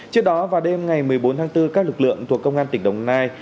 trước đó vào đêm ngày một mươi bốn tháng bốn các lực lượng thuộc công an tỉnh đồng nai